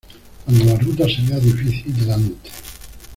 Cuando la ruta se vea difícil delante.